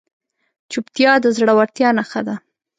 چوپتیا، د زړورتیا نښه ده.